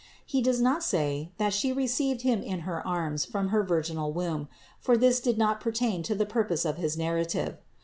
He does not say that She received Him in her arms from her virginal womb; for this did not pertain to the purpose of his narrative.